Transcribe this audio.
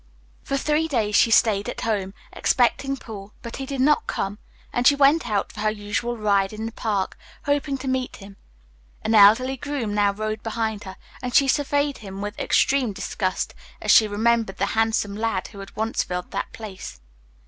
For three days she stayed at home, expecting Paul, but he did not come, and she went out for her usual ride in the Park, hoping to meet him. An elderly groom now rode behind her, and she surveyed him with extreme disgust, as she remembered the handsome lad who had once filled that place.